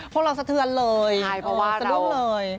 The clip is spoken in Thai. เพราะเราสะเทือนเลย